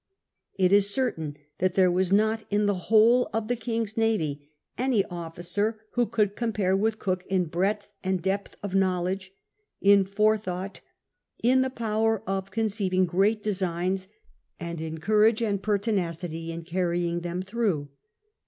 It is certain that there Avas not in the Avhole of the king's navy any officer who could compare Avith Cook in breadth and depth of knoAvledge, in forethoughf^ in the power of conceiving great designs, and in courage and pertinacity in carrying them through.